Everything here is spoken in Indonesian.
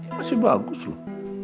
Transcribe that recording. masih bagus loh